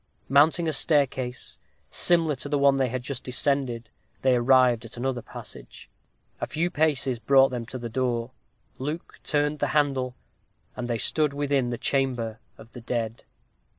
Mounting a staircase, similar to the one they had just descended, they arrived at another passage. A few paces brought them to the door. Luke turned the handle, and they stood within the chamber of the dead.